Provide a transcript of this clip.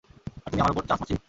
আর তুমি আমার উপর চান্স মারছিলি।